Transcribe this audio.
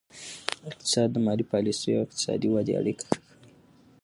اقتصاد د مالي پالیسیو او اقتصادي ودې اړیکه ښيي.